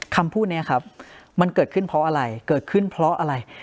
คำพูดนี้ครับมันเกิดขึ้นเพราะอะไรเกิดขึ้นเพราะอะไร